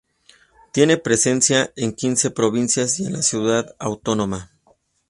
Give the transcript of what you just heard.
Tiene presencia en quince provincias y en la Ciudad Autónoma.